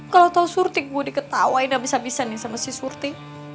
kalau tau surti gue diketawain abis abisan nih sama si surti